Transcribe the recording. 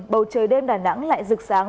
bầu trời đêm đà nẵng lại rực sáng